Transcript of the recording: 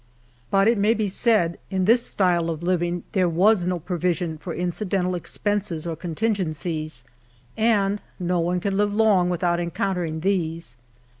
But it may be said in this style of living there was no provision for incidental expenses or contingencies, and no one can live long without encountering these.